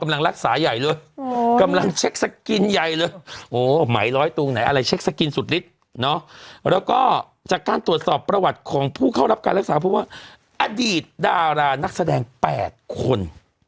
แล้วก็จากการตรวจสอบประวัติของผู้เข้ารับการรักษาเพราะว่าอดีตดารานักแสดง๘คน